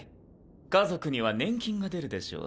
家族には年金が出るでしょう。